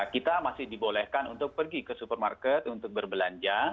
kita masih dibolehkan untuk pergi ke supermarket untuk berbelanja